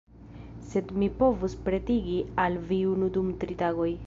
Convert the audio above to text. Sed mi povus pretigi al vi unu dum tri tagoj.